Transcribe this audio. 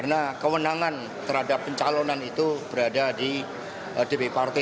karena kewenangan terhadap pencalonan itu berada di dp partai